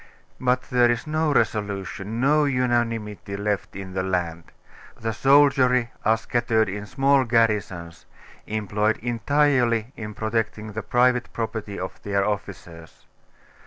But there is no resolution, no unanimity left in the land. The soldiery are scattered in small garrisons, employed entirely in protecting the private property of their officers.